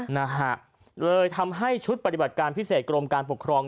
นะฮะเลยทำให้ชุดปฏิบัติการพิเศษกรมการปกครอง